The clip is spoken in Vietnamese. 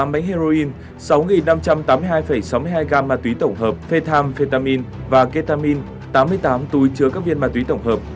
tám bánh heroin sáu năm trăm tám mươi hai sáu mươi hai gam ma túy tổng hợp phê tham phê tamin và kê tamin tám mươi tám túi chứa các viên ma túy tổng hợp